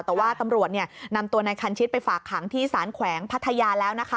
แต่ว่าตำรวจนำตัวนายคันชิตไปฝากขังที่สารแขวงพัทยาแล้วนะคะ